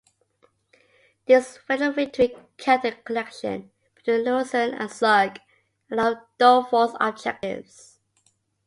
This federal victory cut the connection between Lucerne and Zug, another of Dufour's objectives.